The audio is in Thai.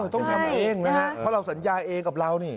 ต้องทำเองนะฮะเพราะเราสัญญาเองกับเรานี่